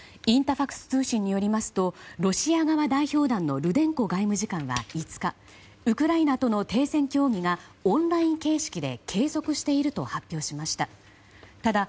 インタファクス通信によりますとロシア側代表団のルデンコ外務次官は５日、ウクライナとの停戦協議がオンライン形式で継続していると発表しました。